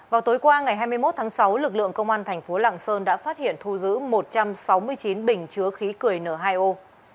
vào tối qua ngày hai mươi một tháng sáu lực lượng công an thành phố lạng sơn đã phát hiện thu giữ một trăm sáu mươi chín bình chứa khí cười n hai o